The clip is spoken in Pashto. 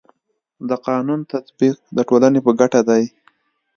د قانونو تطبیق د ټولني په ګټه دی.